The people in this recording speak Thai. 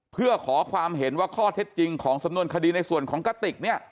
เพื่อขอความเห็นว่าข้อเท็จจริงของสำนวนคดีในส่วนของกติกเนี่ย